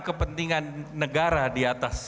kepentingan negara di atas